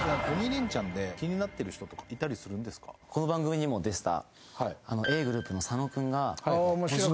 この番組にも出てた。